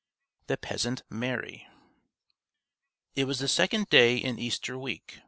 THE PEASANT MAREY It was the second day in Easter week.